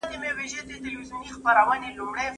د روژې په میاشت کې د تلاوت غږ ډېر اورېدل کیږي.